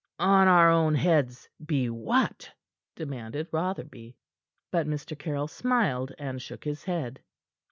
"On our own heads be what?" demanded Rotherby. But Mr. Caryll smiled, and shook his head.